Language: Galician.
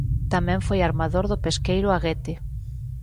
Tamén foi armador do pesqueiro Aguete.